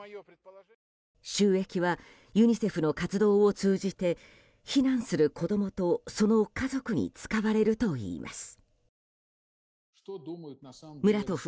収益はユニセフの活動を通じて避難する子供と、その家族に使われるといいます。